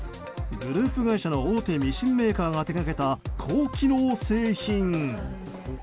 グループ会社の大手ミシンメーカーが手掛けた高機能製品。